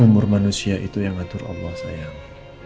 umur manusia itu yang ngatur allah sayang